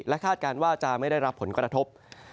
และคาดการณ์ว่าจะไม่ได้รับผลกระทบ